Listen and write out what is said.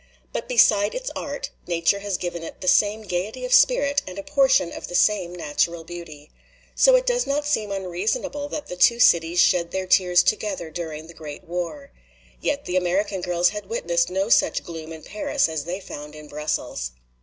But beside its art, nature has given it the same gayety of spirit and a portion of the same natural beauty. So it does not seem unreasonable that the two cities shed their tears together during the great war. Yet the American girls had witnessed no such gloom in Paris as they found in Brussels.